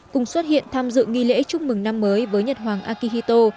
chúc mừng năm mới với nhật hoàng akihito